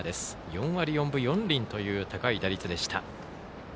４割４分４厘という高い打率。